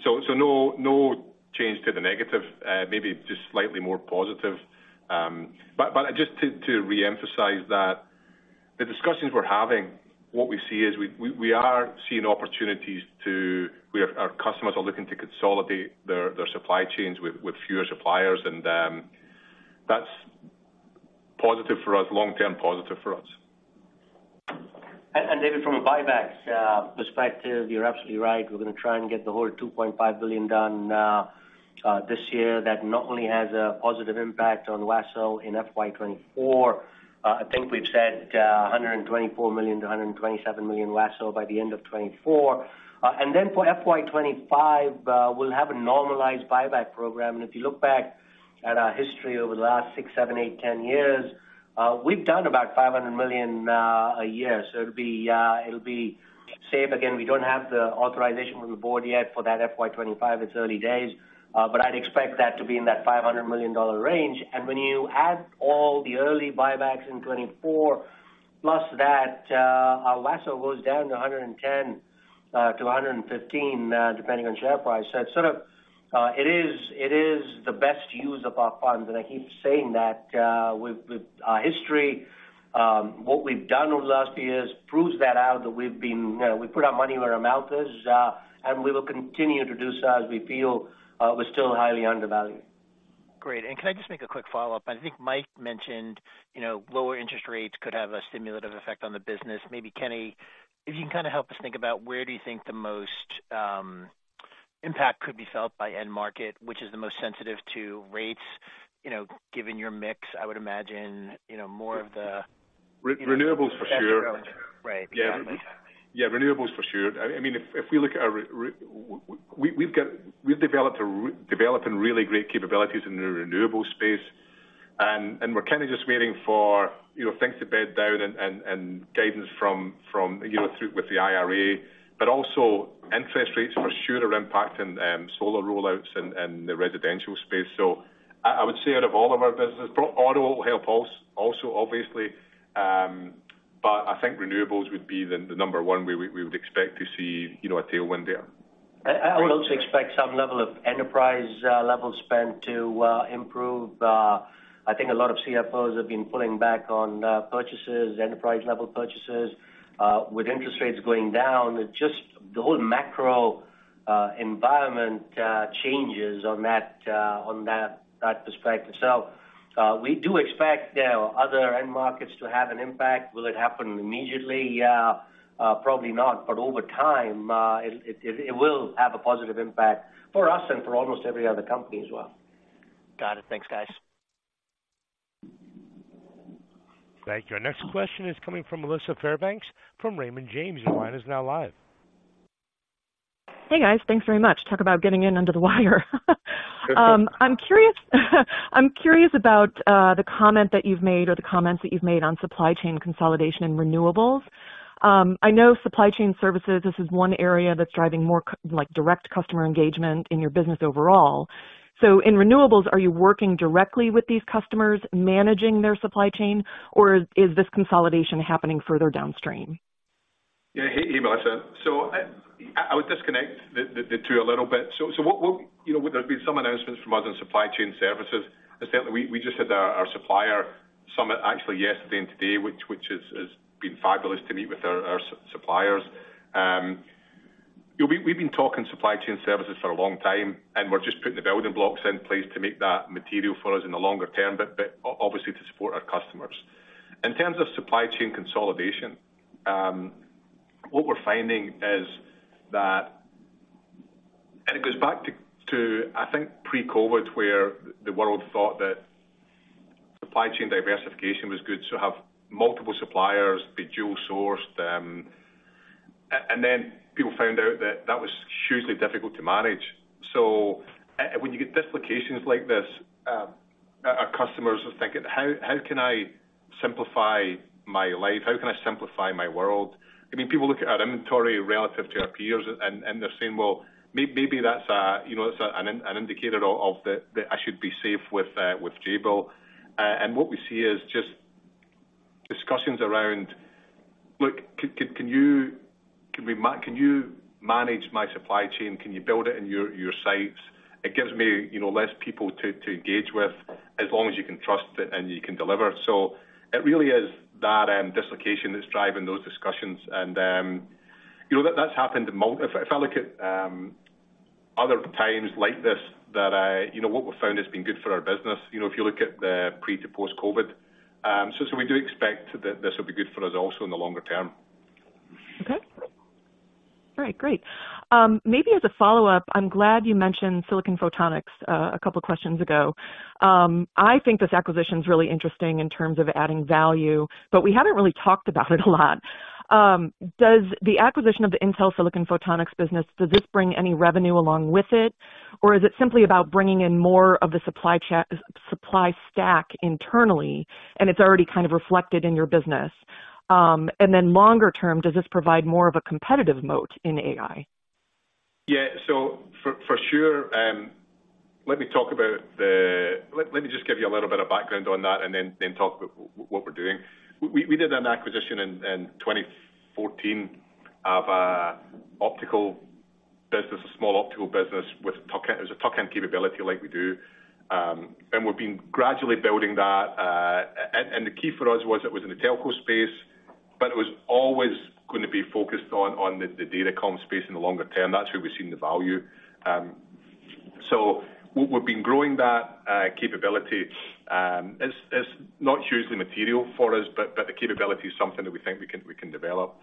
So, no change to the negative, maybe just slightly more positive. Just to reemphasize that the discussions we're having, what we see is we are seeing opportunities to where our customers are looking to consolidate their supply chains with fewer suppliers, and that's positive for us, long-term positive for us. And, David, from a buyback perspective, you're absolutely right. We're gonna try and get the whole $2.5 billion done, this year. That not only has a positive impact on LASSO in FY 2024, I think we've said, $124 million-$127 million LASSO by the end of 2024. And then for FY 2025, we'll have a normalized buyback program. And if you look back at our history over the last six, seven, eight, ten years, we've done about $500 million a year. So it'll be safe. Again, we don't have the authorization from the board yet for that FY 2025. It's early days, but I'd expect that to be in that $500 million range. And when you add all the early buybacks in 2024, plus that, our LASSO goes down to 110, to 115, depending on share price. So it's sort of, it is, it is the best use of our funds, and I keep saying that, with, with our history. What we've done over the last few years proves that out, that we've been, we put our money where our mouth is, and we will continue to do so as we feel, we're still highly undervalued. Great. Can I just make a quick follow-up? I think Mike mentioned, you know, lower interest rates could have a stimulative effect on the business. Maybe, Kenny, if you can kind of help us think about where do you think the most impact could be felt by end market, which is the most sensitive to rates, you know, given your mix, I would imagine, you know, more of the- Renewables, for sure. Right. Exactly. Yeah, renewables, for sure. I mean, if we look at our renewables, we've developed, are developing really great capabilities in the renewable space, and we're kind of just waiting for, you know, things to bed down and guidance from, you know, through with the IRA, but also interest rates for sure are impacting solar rollouts and the residential space. So I would say out of all of our business, auto will help also, obviously, but I think renewables would be the number one way we would expect to see, you know, a tailwind there. I would also expect some level of enterprise-level spend to improve. I think a lot of CFOs have been pulling back on purchases, enterprise-level purchases. With interest rates going down, just the whole macro environment changes on that perspective. So, we do expect other end markets to have an impact. Will it happen immediately? Probably not, but over time, it will have a positive impact for us and for almost every other company as well. Got it. Thanks, guys. Thank you. Our next question is coming from Melissa Fairbanks from Raymond James, your line is now live. Hey, guys. Thanks very much. Talk about getting in under the wire. I'm curious, I'm curious about the comment that you've made or the comments that you've made on supply chain consolidation and renewables. I know supply chain services, this is one area that's driving more like direct customer engagement in your business overall. So in renewables, are you working directly with these customers, managing their supply chain, or is this consolidation happening further downstream? Yeah. Hey, Melissa. So I would disconnect the two a little bit. So what... You know, there's been some announcements from us on supply chain services. And certainly, we just had our supplier summit actually yesterday and today, which has been fabulous to meet with our suppliers. We've been talking supply chain services for a long time, and we're just putting the building blocks in place to make that material for us in the longer term, but obviously to support our customers. In terms of supply chain consolidation, what we're finding is that... It goes back to, I think, pre-COVID, where the world thought that supply chain diversification was good, so have multiple suppliers, be dual sourced, and then people found out that that was hugely difficult to manage. So when you get dislocations like this, our customers are thinking, "How can I simplify my life? How can I simplify my world?" I mean, people look at our inventory relative to our peers, and they're saying, "Well, maybe that's a, you know, it's an indicator of that that I should be safe with Jabil." And what we see is just discussions around, "Look, can you manage my supply chain? Can you build it in your sites? It gives me, you know, less people to engage with, as long as you can trust it and you can deliver." So it really is that dislocation that's driving those discussions. You know, if I look at other times like this, that you know, what we've found has been good for our business, you know, if you look at the pre- to post-COVID. So we do expect that this will be good for us also in the longer term. Okay. All right, great. Maybe as a follow-up, I'm glad you mentioned Silicon Photonics, a couple of questions ago. I think this acquisition is really interesting in terms of adding value, but we haven't really talked about it a lot. Does the acquisition of the Intel Silicon Photonics business, does this bring any revenue along with it, or is it simply about bringing in more of the supply stack internally, and it's already kind of reflected in your business? And then longer term, does this provide more of a competitive moat in AI? Yeah. So for sure, let me just give you a little bit of background on that, and then talk about what we're doing. We did an acquisition in 2014 of an optical business, a small optical business, with a tuck-in, it was a tuck-in capability like we do. And we've been gradually building that, and the key for us was it was in the telco space, but it was always going to be focused on the datacom space in the longer term. That's where we've seen the value. So we've been growing that capability. It's not hugely material for us, but the capability is something that we think we can develop.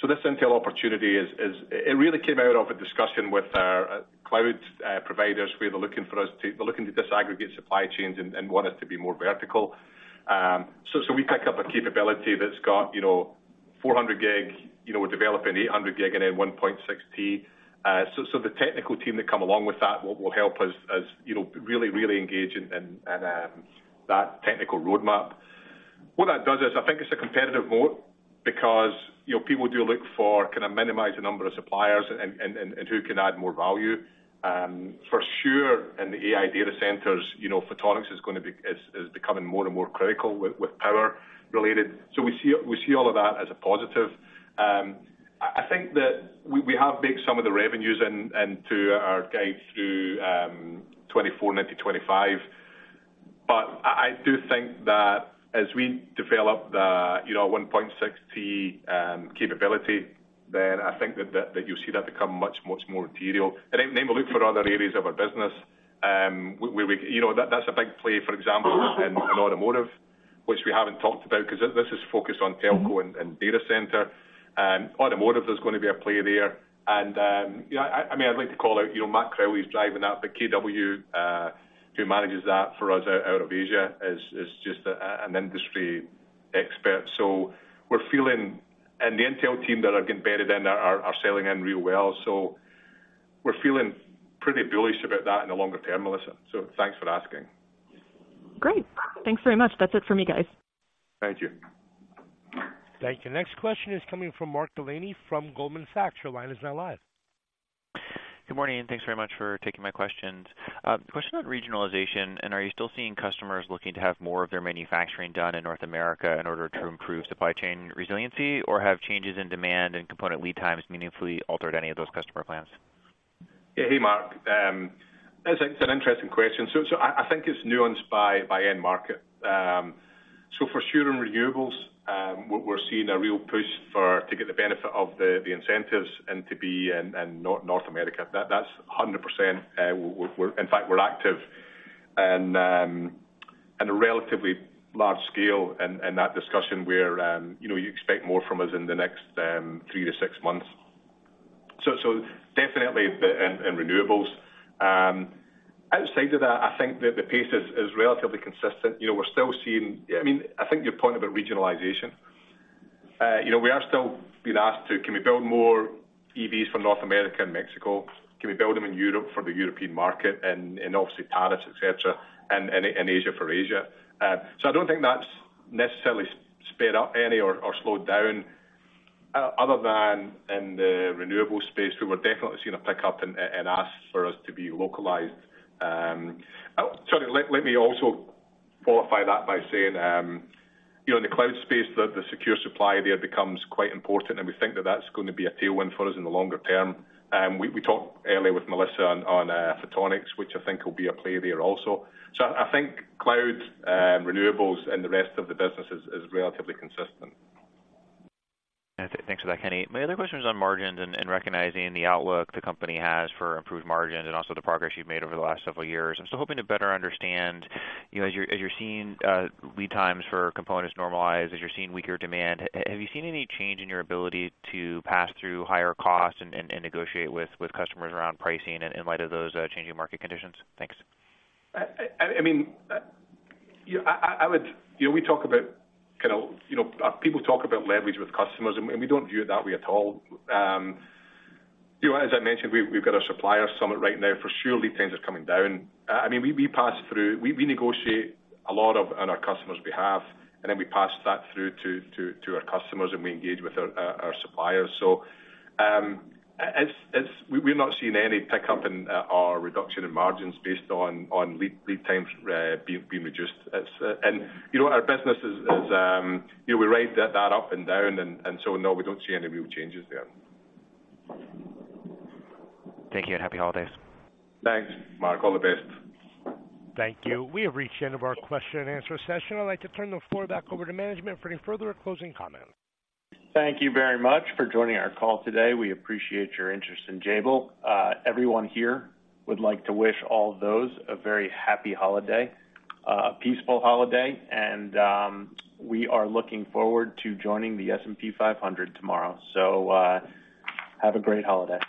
So this Intel opportunity is. It really came out of a discussion with our cloud providers, where they're looking to disaggregate supply chains and want us to be more vertical. So we pick up a capability that's got, you know, 400 Gb, you know, we're developing 800 Gb and then 1.6T. So the technical team that come along with that will help us, as you know, really engage in that technical roadmap. What that does is, I think it's a competitive moat because, you know, people do look for, can I minimize the number of suppliers and who can add more value? For sure, in the AI data centers, you know, photonics is becoming more and more critical with power related. So we see all of that as a positive. I think that we have baked some of the revenues in into our guide through 2024 into 2025. But I do think that as we develop the, you know, 1.60 capability, then I think that you'll see that become much, much more material. And then, when we look for other areas of our business, we, you know, that's a big play, for example, in automotive, which we haven't talked about, 'cause this is focused on telco and data center. Automotive, there's gonna be a play there. You know, I mean, I'd like to call out, you know, Matt Crowley is driving that, but KW, who manages that for us out of Asia, is just an industry expert. The Intel team that are embedded in there are selling in real well. So we're feeling pretty bullish about that in the longer term, Melissa. So thanks for asking. Great. Thanks very much. That's it for me, guys. Thank you. Thank you. Next question is coming from Mark Delaney from Goldman Sachs. Your line is now live. Good morning, and thanks very much for taking my questions. Question on regionalization, and are you still seeing customers looking to have more of their manufacturing done in North America in order to improve supply chain resiliency? Or have changes in demand and component lead times meaningfully altered any of those customer plans? Yeah. Hey, Mark. It's an interesting question. So I think it's nuanced by end market. So for sure in renewables, we're seeing a real push to get the benefit of the incentives and to be in North America. That's 100%, we're... In fact, we're active in a relatively large scale in that discussion where you know you expect more from us in the next three to six months. So definitely in renewables. Outside of that, I think that the pace is relatively consistent. You know, we're still seeing. I mean, I think your point about regionalization, you know, we are still being asked to, "Can we build more EVs for North America and Mexico? Can we build them in Europe for the European market?" And obviously Paris, et cetera, and Asia for Asia. So I don't think that's necessarily sped up any or slowed down, other than in the renewable space, we were definitely seeing a pickup and asked for us to be localized. Sorry, let me also qualify that by saying, you know, in the cloud space, the secure supply there becomes quite important, and we think that that's going to be a tailwind for us in the longer term. We talked earlier with Melissa on photonics, which I think will be a play there also. So I think cloud, renewables and the rest of the business is relatively consistent. Thanks for that, Kenny. My other question is on margins and recognizing the outlook the company has for improved margins and also the progress you've made over the last several years. I'm still hoping to better understand, you know, as you're seeing lead times for components normalize, as you're seeing weaker demand, have you seen any change in your ability to pass through higher costs and negotiate with customers around pricing in light of those changing market conditions? Thanks. I mean, you know, I would. You know, we talk about kind of, you know, people talk about leverage with customers, and we don't view it that way at all. You know, as I mentioned, we've got a supplier summit right now. For sure, lead times are coming down. I mean, we pass through-- we negotiate a lot on our customers' behalf, and then we pass that through to our customers, and we engage with our suppliers. So, it's-- we're not seeing any pickup in our reduction in margins based on lead times being reduced. It's. You know, our business is, you know, we ride that up and down, and so, no, we don't see any real changes there. Thank you, and happy holidays. Thanks, Mark. All the best. Thank you. We have reached the end of our question and answer session. I'd like to turn the floor back over to management for any further closing comments. Thank you very much for joining our call today. We appreciate your interest in Jabil. Everyone here would like to wish all those a very happy holiday, a peaceful holiday, and we are looking forward to joining the S&P 500 tomorrow. So, have a great holiday.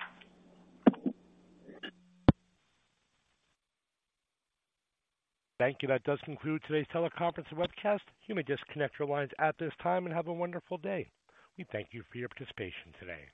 Thank you. That does conclude today's teleconference and webcast. You may disconnect your lines at this time and have a wonderful day. We thank you for your participation today.